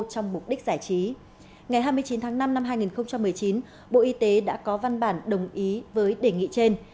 trong mục đích giải trí ngày hai mươi chín tháng năm năm hai nghìn một mươi chín bộ y tế đã có văn bản đồng ý với đề nghị trên